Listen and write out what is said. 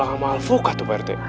uang mahal fuka tuh pak rt